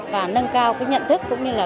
và nâng cao cái nhận thức cũng như là